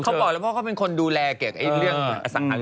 เขาบอกแล้วพ่อเขาเป็นคนดูแลเกี่ยวกับเรื่องอสังหา